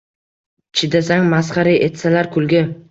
Chidasang, masxara etsalar, kulgi